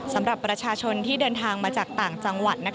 สำหรับประชาชนที่เดินทางมาจากต่างจังหวัด